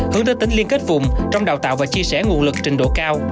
hướng tới tính liên kết vùng trong đào tạo và chia sẻ nguồn lực trình độ cao